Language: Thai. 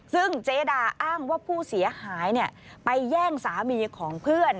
ซึ่งเจดาอ้างว่าผู้เสียหายไปแย่งสามีของเพื่อน